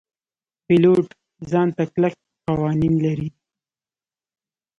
پیلوټ ځان ته کلک قوانین لري.